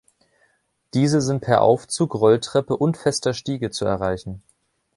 Diese sind per Aufzug, Rolltreppe und fester Stiege zu erreichen.